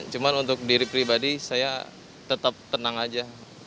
cuma untuk diri pribadi saya tetap tenang aja